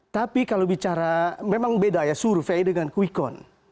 tapi kalau bicara memang beda ya survei dengan kuikon